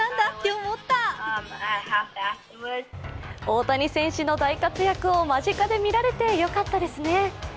大谷選手の大活躍を間近で見られてよかったですね。